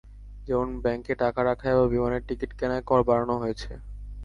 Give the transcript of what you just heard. যেমন ব্যাংকে টাকা রাখায় বা বিমানের টিকিট কেনায় কর বাড়ানো হয়েছে।